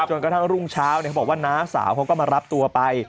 กระทั่งรุ่งเช้าเขาบอกว่าน้าสาวเขาก็มารับตัวไป